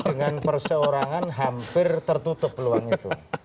dengan perseorangan hampir tertutup peluang itu